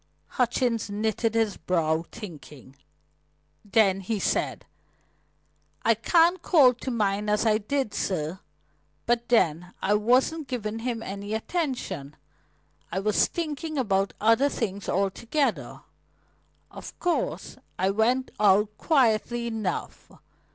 Hutchings knitted his brow, thinking; then he said: "I can't call to mind as I did, sir. But, then, I wasn't giving him any attention. I was thinking about other things altogether. Of course, I went out quietly enough.